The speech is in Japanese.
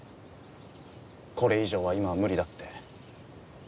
これ以上は今は無理だって。